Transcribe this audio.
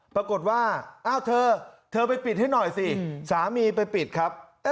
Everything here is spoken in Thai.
ปรากฏว่าอ้าวเธอเธอไปปิดให้หน่อยสิสามีไปปิดครับ